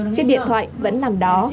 chiếc điện thoại vẫn nằm đó